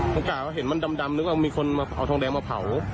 มันกล่าเห็นมันดำนึกว่ามีคนมาเอาทองแดงมาเผา